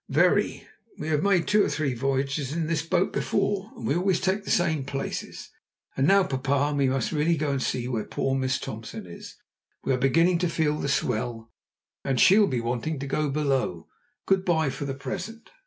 "Very. We have made two or three voyages in this boat before, and we always take the same places. And now, papa, we must really go and see where poor Miss Thompson is. We are beginning to feel the swell, and she'll be wanting to go below. Good bye for the present."